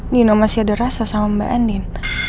nino masih ada rasa sama mbak anin